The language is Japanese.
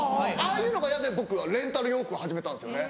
ああいうのが嫌で僕レンタル洋服を始めたんですよね。